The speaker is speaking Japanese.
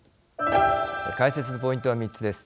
解説のポイントは３つです。